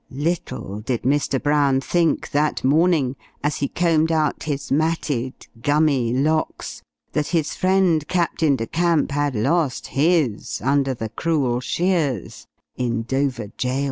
Little did Mr. Brown think, that morning, as he combed out his matted, gummy, locks, that his friend Captain de Camp had lost his, under the cruel shears, in Dover Jail!